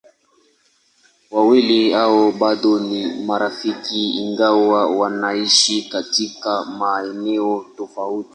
Wawili hao bado ni marafiki ingawa wanaishi katika maeneo tofauti.